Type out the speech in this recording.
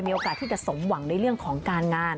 มีโอกาสที่จะสมหวังในเรื่องของการงาน